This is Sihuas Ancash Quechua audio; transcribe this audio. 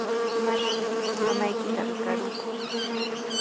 Manami mamaykita riqarqaaku.